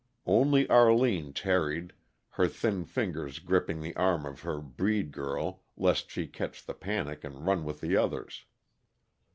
Only Arline tarried, her thin fingers gripping the arm of her "breed girl," lest she catch the panic and run with the others.